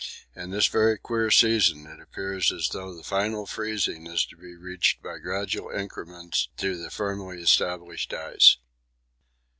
In this very queer season it appears as though the final freezing is to be reached by gradual increments to the firmly established ice.